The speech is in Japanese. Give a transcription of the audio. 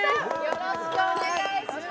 よろしくお願いします